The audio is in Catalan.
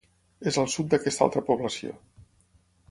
És al sud d'aquesta altra població.